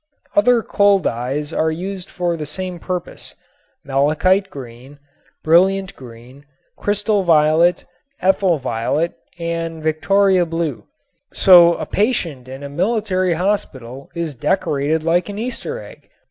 Other coal tar dyes are used for the same purpose, "malachite green," "brilliant green," "crystal violet," "ethyl violet" and "Victoria blue," so a patient in a military hospital is decorated like an Easter egg.